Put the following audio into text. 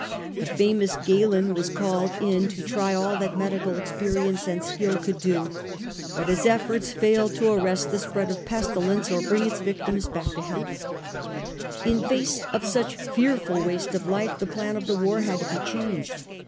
The famous Galen was called in to try all that medical experience and skill could do, but his efforts failed to arrest the spread of pestilence or bring its victims back In face of such fearful waste of life the plan of the war had to be changed.